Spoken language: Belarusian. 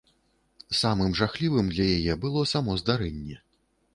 Самым жахлівым для яе было само здарэнне.